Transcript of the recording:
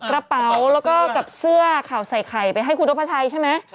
กระเป๋าแล้วก็กับเสื้อข่าวใส่ไข่ไปให้คุณนพชัยใช่ไหม